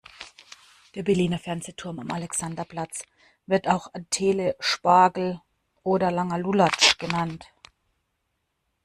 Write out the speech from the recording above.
Der Berliner Fernsehturm am Alexanderplatz wird auch Telespagel oder langer Lulatsch genannt.